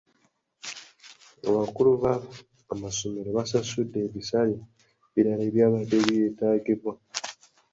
Abakulu b'amasomero baasasudde ebisale ebirala ebyabadde byetaagibwa.